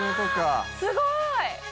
すごい！